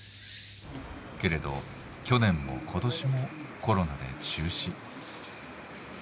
けれど去年も今年もコロナで中止。